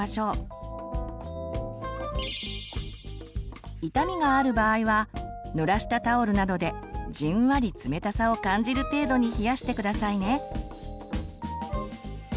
また授乳後に痛みがある場合はぬらしたタオルなどでじんわり冷たさを感じる程度に冷やして下さいね。